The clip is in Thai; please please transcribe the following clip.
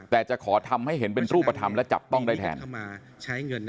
แต่จะขอทำให้เห็นเป็นรูปธรรมและจับต้องได้แทน